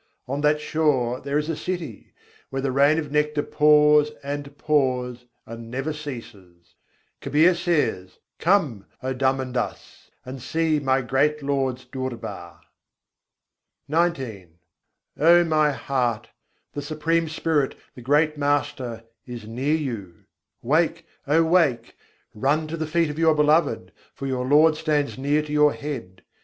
On that shore there is a city, where the rain of nectar pours and pours, and never ceases. Kabîr says: "Come, O Dharmadas! and see my great Lord's Durbar." XIX II. 20. paramâtam guru nikat virâjatn O my heart! the Supreme Spirit, the great Master, is near you: wake, oh wake! Run to the feet of your Beloved: for your Lord stands near to your head.